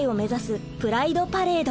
プライドパレード。